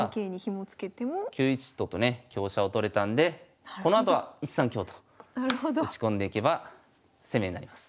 ９一と金とね香車を取れたんでこのあとは１三香と打ち込んでいけば攻めになります。